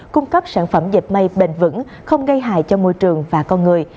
cung cấp sản phẩm dệt mây bền vững không gây hại cho môi trường và con người